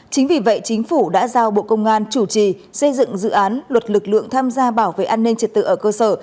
chính vì vậy chính phủ đã giao bộ công an chủ trì xây dựng dự án luật lực lượng tham gia bảo vệ an ninh trật tự ở cơ sở